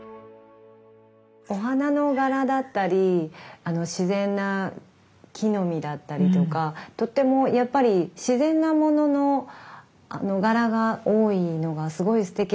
お花の柄だったり自然な木の実だったりとかとってもやっぱり自然なものの柄が多いのがすごいすてきだと思いました。